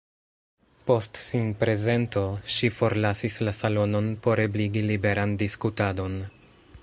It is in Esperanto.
Post sinprezento, ŝi forlasis la salonon por ebligi liberan diskutadon.